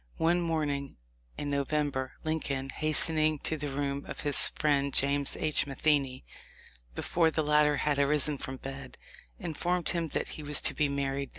One morning in Novem ber, Lincoln, hastening to the room of his friend James H. Matheney before the latter had arisen from bed, informed him that he was to be married * Statement, January 10, 1866, MS.